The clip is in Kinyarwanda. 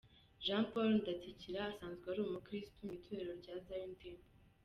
Jean Paul Ndatsikira asanzwe ari umukristo mu itorero rya Zion Temple.